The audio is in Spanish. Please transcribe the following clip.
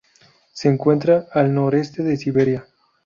Se encuentra al noreste de Siberia.